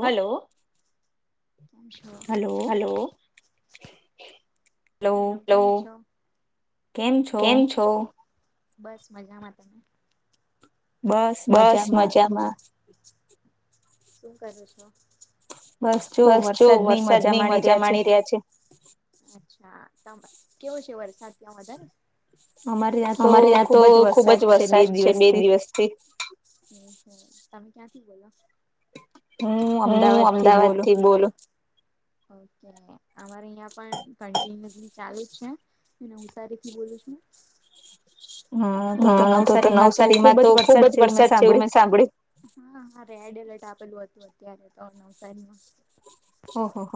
Hello. Hello. Hello. કેમ છો? બસ મજામાં. તમે? બસ મજામાં. શું કર છો? બસ જો વરસાદની મજા માણી રહ્યા છે. અચ્છા ત કેવો છે વરસાદ ત્યાં વધારે અમારે ત્યાં તો ખુબ જ વરસાદ છે બે દિવસથી. હ તમે ક્યાંથી બોલો. હમું અમદાવાદ થી બોલુ. ઓકે અમારે અહં પણ કિન્યુસલી ચાલે જ છે. એને હું તારીખની બોલું છું. હા તો તો નવસારીમાં તો ખુબ જ વરસાદ છે એવું મેં સાંભળ્યું. હા હા રેડ એલર્ટ આપેલું હતું અત્યારે તો નવસારીમાં.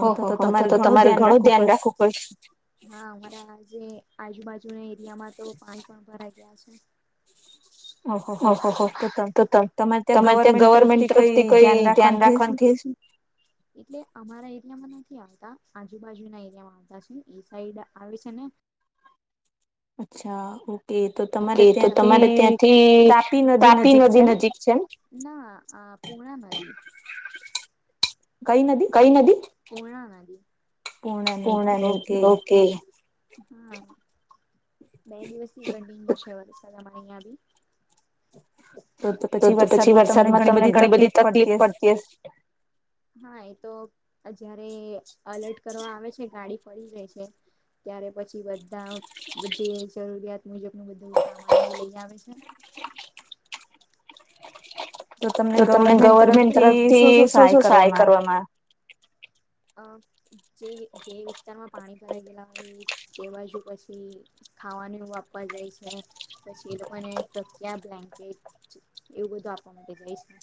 ઓહ હો તો તો તમારે ઘણું ધ્યાન રાખવું પડશે. હા અમારા આજે આજુબાજુના એરિયામાં તો પાન પણ ભરાઈ ગયા છે. હ. ઓહોહ તો તમારે ત્યાં ગવર્મેન્ટ તરફથી કોઈ ધ્યાન રાખવા નથી. એટલે અમારા એિયામાં નથી આવતા આજુબાજુના એરિયામાં આવતા છે એ સાઈડ આવે છે ને અચ્છા ઓકે. ઓકે તો તમારે ત્યાંથી તાપી નદી નજીક છેમ. પૂણા નદી. કઈ નદી? કઈ નદી? પૂણા નદી. ઓકે. હ. બે દિવસ પણ છે વરસા તમારે અં બી તો તો પછી વરસાદમાં તમને ઘણી બધી તકલીફ પડતી હશે? હા એ તો અ જયારે અલર્ટ કરવા આવે છે ગાડી ફડી જાય છે. ત્યારે પછી બધા જે જરૂરિયાત મુજબ નું બધું સામાન લઈ આવે છે. તો તમને ગવર્મેન્ટ તરફથી શું શું સહાય કરવામાં આવે? હ. જે જે વિસ્તારમાં પાણી ભરાઈ ગયલા હોય તે બાજુ પછી ખાવાનું એ વાપવા જાય છે પછી એ લોકોને ટકિયા, બ્લેન્કેટ એવું બધું આપવા માટે જાય છે.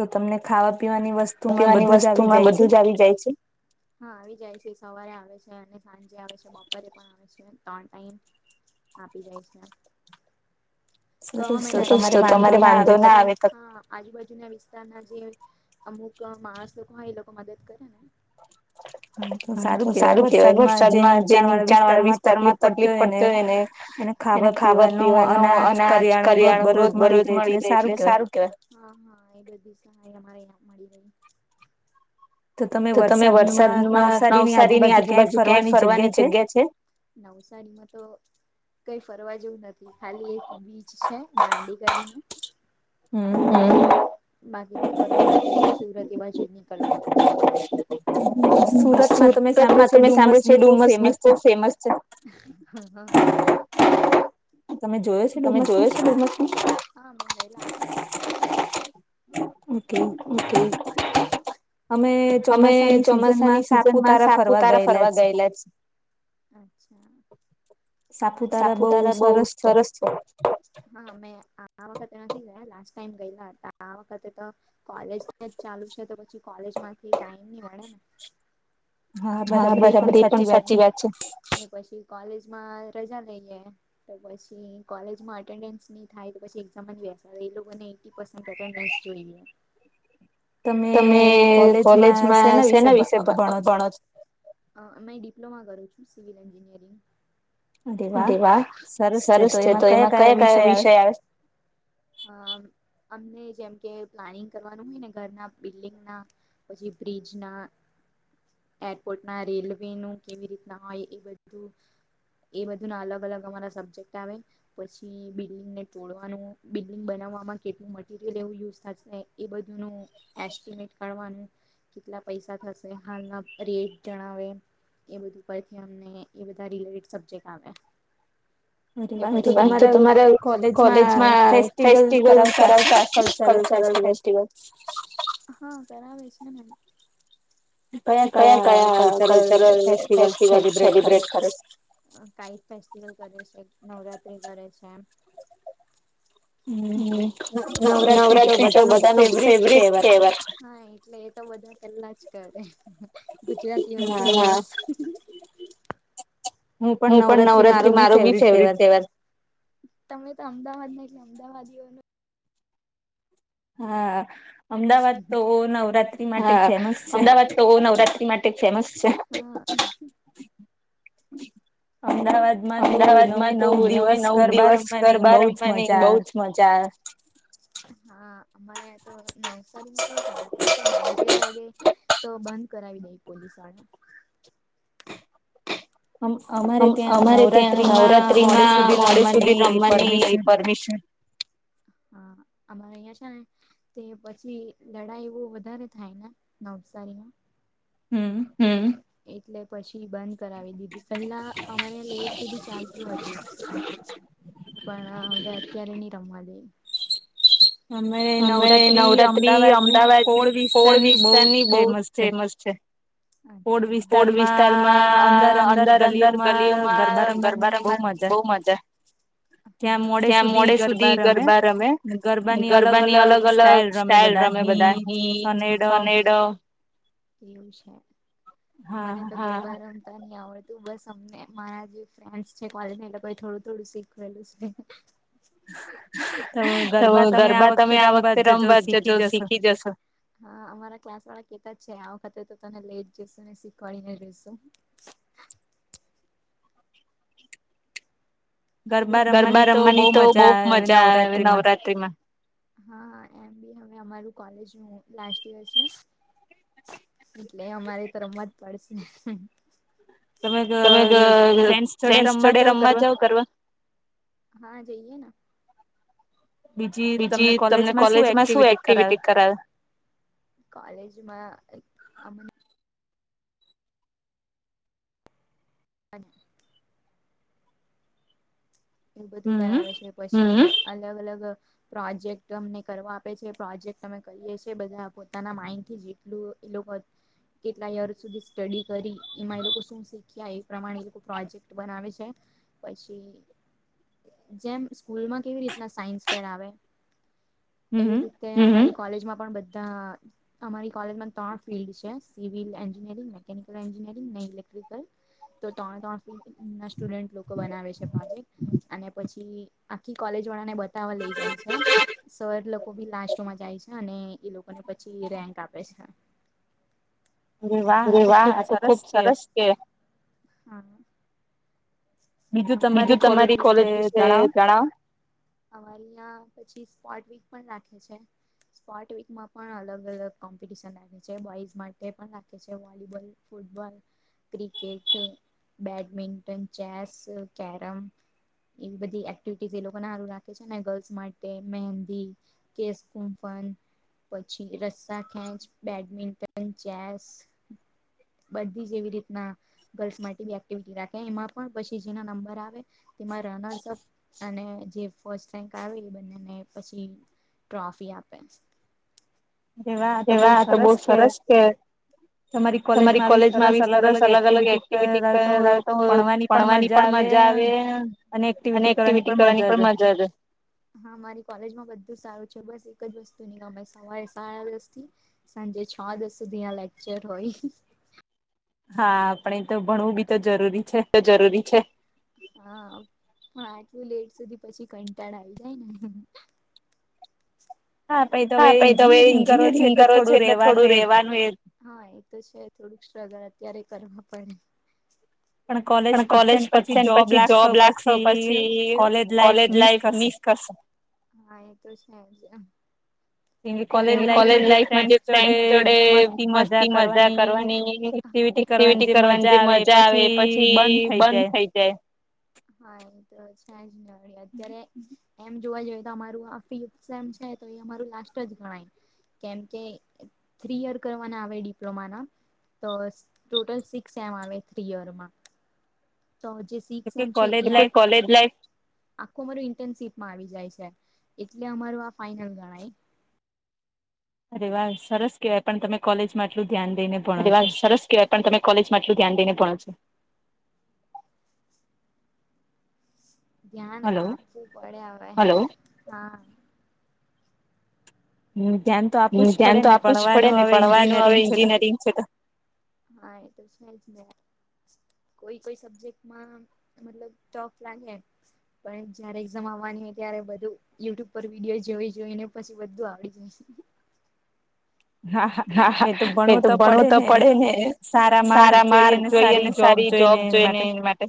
તો તમને ખાવા પીવાની વસ્તુ પીવાની વસ્તુ માં બધું જ આવી જાય છે. હા આવી જાય છે સવારે આવે છે અને સાંજે આવે છે બપોરે પણ આવે છે ત્રણ ટાઈમ. ાય અરે વાંધો ના આવે. હા આજુબાજુ ના વિસ્તારના જે અમુક માણસ લોકો એ લોકો મદદ કરે ને. હા તો સારું કેવાય વરસાદમાં જે નીચાણ વાળા વિસ્તાર માં તકલીફ પડતી હોયને એને ખાવા પીવાનું અનાજ કરિયાણુ રોજ બરોજ મળી રહે એટલે સારું હા હા એ બધી સહાય અ મળી રહી તો તમે વરસાદમાં નવસારીની આજુબાજુ ક્યાંય ફરવાની જગ્યા છે. નવસારી માં તો કઈ ફરવા જેવું નથી ખાલી એ પણ બીચ છે દાંડી કરીને હમ હ બાકી તો ફર સુરતી બા નીકળવા પડ સુરતમાં તમે સાંભળ્યું છે ડુમસ બીચ ચ ફેમસ છે. તમે જોયો છે ડુમસ બીચ ઓકે અમે ચોમાસાની સિઝન માં સાપુતારા ફરવા ગયેલા છે અચ્છા અમારી સાપુતારા બહુ સરસ છે હા મેં આ વખતે નથી ગયા લાસ્ટ ટાઈમ ગયેલા હતા આ વખતે તો કોલેજ જ ચાલુ છે તો પછી કોલેજ માંથી ટાઈમ નહી મળે ને હા બરાબર એ પણ સાચી વાત છે પછી કોલેજમાં રજા લઈ લેએ પછી કોલેજમાં અટેન્ડન્સ નહી થાય તો પછી એક્ઝામ જ બેસા એ લોકોને [unintelligible] જોઈ તમે કોલેજ કોલેજ માં શેના વિશે ભણો અ ડિપ્લોમા કરું છું સિવિલ એન્જિનિયરિંગ હરે વાહ સરસ છે તો એમાં કયા કયા વિષય આવે અ અમને જેમ કે પ્લાનિંગ કરવાનું હોય ને ઘરના બિલ્ડંગ ના પછી બ્રિજ ના એરપોર્ટ ના રેલવે નું કેવી રીતના હોય એ બધું એ બધું ના અલગ અલગ અમારા સબ્જેક્ટ આવે પછી બિલ્ડિંગને તોડવાનું બિલ્ડિંગ બનાવવામાં કેટલું મટરિયલ એવું યુઝ થશે ને એ બધું નુ એસ્ટિમેટ કાઢવાનું કેટલા પૈસા થશે હાલના રેટ જણાવે એ બધું ઉપથીમને બધા રીલેટ સબ્જેક્ટ આવે વાત તો તમારે કોલેજમાં ફેસ્ટિવલ કરાવતા હશે [unintelligible] છે કયા કયા કલ્ચરલ ફેસ્ટિવલ સેલિબ્રેટ કરે કાઈટ ફેસ્ટિવલ કરે છે નવરાત્રી કરે છે હ નવરાત્રી તો બધા નો ફેવરેટ કેવાય છેહે તો બધા પેલા જ કરે ગુજરાતીનું હું પણ નવરાત્રી મારો બી ફેવરટ તહેવાર તમે તો અમદાવાદ ના અમદાવાદીઓ ન હા અમદાવાદ તો નવરાત્રી માટે ફેમસ છે ફેમસ છે અમદાવાદ અમદાવાદ માં તો નવે નવ દિવસ ગરબા રમવાની બઉ જ મજા આવ હા અમારે તો નવસારીમાં તો રાત્રે [unintelligible] વાગે તો બંધ કરાવી દઈ પોલીસ [unintelligible] અમારે ત્યાં નવરાત્રીમાં મોડે સુધી રમવાની પરમિશન હા અમારે અહિયાં છેને તે પછી લડાઈ એવું વધારે થાય ને નવસારીમાં હમ હમ એટલે પછી બંધ કરાવી દીધું પેલા અમારે [unintelligible] બધું ચાલતું હતું. પણ અ અત્યારે નહી રમવા દે અમે નવરાત્રી અમદાવાદની કોળ વિસ્તારની બહુ ફેમસ છે. કોડ વિસ્તારમાં અંદર અંદર ગલીઓમાં ગરબા રમવાનું બઉ મજા ત્યાં મોડે સુધી ગરબા રમે ગરબાની અલગ અલગ સ્ટાઈલ રમે બધા હિચ સનેડો એવું છે મને તો હા ન આવડે તું બસ અમને મારા જે ફ્રેન્ડસ છે કોલેજ ના એલોકો એ થોડું થોડું શીખવેલું છે. [inaudible] તો ગરબા તમે આ વખતે રમવા જજો શીખી જશો હા અમારા ક્લાસ વાળા કેતા છે આ વખતે તો તને લઈજ જશુ ને શીખવાડીને રઈશુ ગરબા રમવાની તો બહું મજા આવે નવરાત્રી માં હા એમ બી હવે અમારું કોલેજ નું લાસ્ટ યર છે. એટલે અમારે તો રમવા પડશે. તમે ફ્રેન્ડસ જોડે રમવા જાવ કરવા હા જઈએ ને બીજી તમને કોલેજમાં શું એક્ટિવિટી કરાવે કોલેજમાં અમને [unintelligible] એ બધું કરાવે છે પછી અલગ અલગ પ્રોજેક્ટ અમને કરવા આપે છે પ્રોજેક્ટ અમે કરીએ છીએ બધા પોતાના માઇન્ડ થી જ એ લોકો કેટલા યર્સ સુધી સ્ટડી કરી એમાં એ લોકો શું શીખ્યા એ પ્રમાણે એ લોકો પ્રોજેક્ટ બનાવે છે પછી જેમ સ્કૂલમાં કેવી રીતના સાયન્સ [unintelligible] આવે એવી રી કોલેજમાં પણ બધા અમારી કોલેજમાં ત્રણ ફિલ્ડ છે સિવિલ એન્જિનિયરિંગ મેકેનિકલ એન્જિનિયરિંગ ને ઇલેક્ટ્રિકલ તો ત્રણ ત્રણ ફિલ્ડના સ્ટુડન્ટ લોકો બનાવે છે પ્રોજેક્ટ અને પછી આખી કોલેજ વાળા ને બતાવવા લઈ જાય છે. સર લોકો બી લાસ્ટમાં જાય છે અને એ લોકોને પછી રેન્ક આપે છે. એ વાહ તો ખુબ સરસ કે બીજું તમારી કોલેજ વિશે જણાવ અમારીં યા પછી સ્પોર્ટ વીક પણ રાખે છે. સ્પોર્ટ વીકમાં પણ અલગ અલગ કોમ્પિટશન રાખે છે બોયઝ માટે પણ રાખે છે football cricket badminton chess carrom એ બધી એક્ટિવિટી એ લોકોને સારું રાખે છે ને ગર્લ્સ માટે મહેંદી કેશ કુંફન પછી રસ્સા ખેંચ બેડમિન્ટન ચેસ બધી જેવી રીતના ગર્લ્સ માટે બી એક્ટિવિટી રાખે એમાં પણી પછી કે જેના નંબર આવે તેમાં રનર્સઅપ અને જે ફસ્ટ રેંક આવે એ બંનેને પછી ટ્રોફી આપે. અરે વાહ આ તો બહુ સરસ કેવાય. તમારી કોલેજમાં આવી સરસ અલગ અલગ એક્ટિવિટી કરાવે તો ભણવાની પણ મજા આવે અને એક્ટિવિટી કરવાની પણ મજા આવે [unintelligible] હા મારી કોલેજ માં બધું સારું છે બસ એક જ વસ્તુ ની ગમે સવા સાડા દસ થી અંજે છ દસ સુધીના લેક્ચર હોય હા આપણે તો ભણવું બી તો જરૂરી છે જરૂરી છે. પણ આટલું લેટ સુધી પછી કંટાળ આવી જાય ને. હા [unintelligible] તમે એન્જિનિયરિંગ કરો છો એટલે થોડું રેવાનું એ હા એ તો છે થોડુંક સ્ટ્રગલ અત્યારે કરવા પડે. પણ કોલેજ પતશે ને પછી જોબ લાગશે પછી કોલેજ લાઈફ મિસ હા એ તો છે જ. કોલેજ લાઈફમાં જે ફ્રેન્ડ જોડે મસ્તી મજા કરવાની એક્ટિવિટી કરવાની જે મજા આવે એ પછી બંધ થઇ જાય. હા એ તો છે જ ને વળી અત્યારે એમ જોવા જઈએ તો અમારું આ ફી એકઝામ છે તો એ અમારું લાસ્ટ જ ગણાય કેમકે થ્રી યર કરવાના આવે ડિપ્લોમા ના. તો ટોટલ સિક્સ સેમ આવે થ્રી યરમાં. તો જે શીક્ષ સેમ છે એ કોલેજ લાઈફ આખું અમારું ઇન્ટર્નશીપમાં આવી જાય છે એટલે અમારું આ ફાઈનલ ગણાય. અરે વાહ સરસ કહેવાય પણ તમે કોલેજમાં આટલું ધ્યાન દઈને અરે વાહ સરસ કહેવાય પણ તમે કોલેજમાં એટલું ધ્યાન દઈને ભણો છો. ધ્યાન આપવું પડે હવે હ. હમ ધ્યાન હમ ધ્યાન તો આપવું જ પડે ને ભણવાનું હવે એન્જિનિયરિંગ છે તો. હા એ તો છે જ. કોઈ કોઈ સબ્જેક્ટમાં મતલબ ટોપ લાગે પણ જયારે એક્ઝામ આવવાની હોય ત્યારે બધું યુટ્યુબ પર વિડીયો જોઈ જોઈ ને પછી બધું આવડી જાય. હા હા એ તે ભણવું તો પડે ને સારા માર્ગ જોઈ અને સારી જોબ જોઈ ને એને માટે.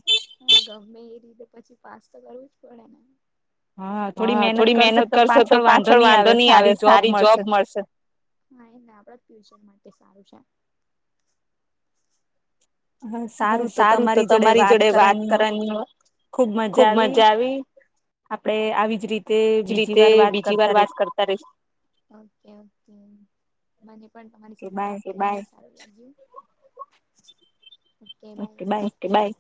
ગમે એ રીતે પછી પાસ તો કરવું જ પડે ને. હા થોડી મહેનત કરશો તો પાછળ વાંધો નહી આવે સારી જોબ મળશે. [inaudible] આપણા જ ફ્યુચર માટે સારું છે. હા સારું તો તમારી જોડે વાત કરવાની હો ખુબ મજા આવી. આપડે આવીજ રીતે બીજી વાર વાત કરતા રહીશું. ઓકે ઓકે મને પણ તમારી સાથે વાત હારુ લાગ્યુ. Okay bye.